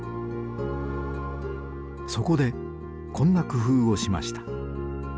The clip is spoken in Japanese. そこでこんな工夫をしました。